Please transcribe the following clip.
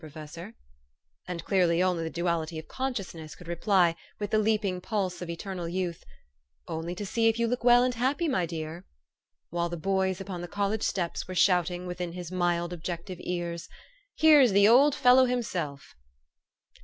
Professor*} " And clearly only the Duality of Consciousness could reply, with the leaping pulse of eternal youth, " Only to see if you look well and happy, my dear;" while the boys upon the college steps were shouting within his mild, objective ears, " Here's the old fellow himself!